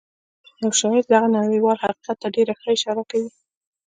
یو شاعر دغه نړیوال حقیقت ته ډېره ښه اشاره کوي